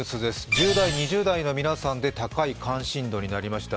１０代、２０代の皆さんで高い関心度になりました。